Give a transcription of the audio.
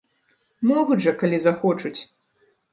Могуць жа, калі захочуць!